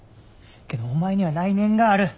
けどお前には来年がある。